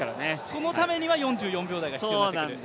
そのためには４４秒台が必要になってくると。